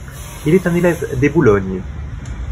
Il est un élève des Boullognes.